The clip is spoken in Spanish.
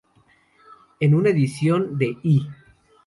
En una edición de "E!